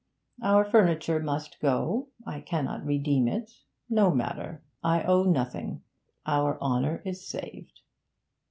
Our furniture must go; I cannot redeem it; no matter. I owe nothing; our honour is saved!'